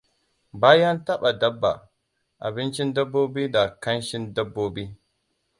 Bayan taɓa dabba, abincin dabbobi da kashin dabbobi.